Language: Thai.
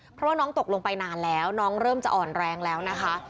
เพราะว่าน้องตกลงไปนานแล้วน้องเริ่มจะอ่อนแรงแล้วนะคะ